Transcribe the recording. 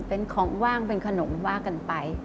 เป็นของว่างเป็นขนมว่ากันไป